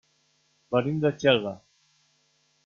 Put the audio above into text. Venim de Xelva.